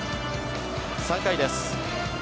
３回です。